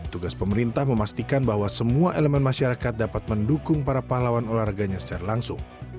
tugas pemerintah memastikan bahwa semua elemen masyarakat dapat mendukung para pahlawan olahraganya secara langsung